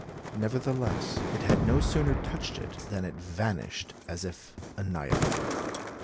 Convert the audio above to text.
Nevertheless it had no sooner touched it than it vanished as if annihilated.